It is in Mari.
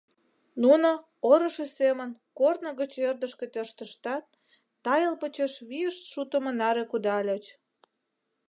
Нуно, орышо семын, корно гыч ӧрдыжкӧ тӧрштыштат, тайыл почеш вийышт шутымо наре кудальыч.